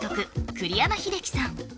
栗山英樹さん